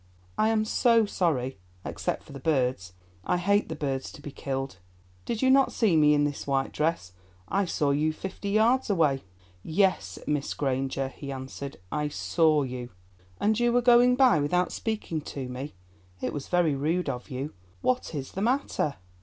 "I am so sorry, except for the birds. I hate the birds to be killed. Did you not see me in this white dress? I saw you fifty yards away." "Yes, Miss Granger," he answered, "I saw you." "And you were going by without speaking to me; it was very rude of you—what is the matter?"